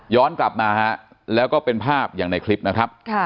กลับมาฮะแล้วก็เป็นภาพอย่างในคลิปนะครับ